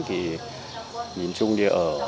thì nhìn chung ở